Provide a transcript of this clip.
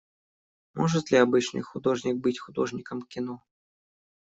Может ли обычный художник быть художником кино?